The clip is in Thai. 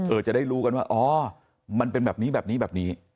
จะได้รู้กันว่าอ๋อมันเป็นแบบนี้แบบนี้แบบนี้